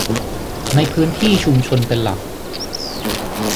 ในพื้นที่ชุมชนเป็นหลัก